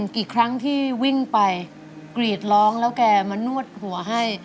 กี่ครั้งที่วิ่งไปกรีดร้องแล้วแกมานวดหัวให้